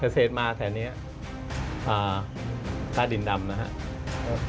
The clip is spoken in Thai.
เศษมาแถวนี้ค่าดินดำนะครับ